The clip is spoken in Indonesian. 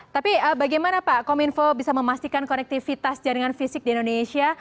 tapi bagaimana pak kominfo bisa memastikan konektivitas jaringan fisik di indonesia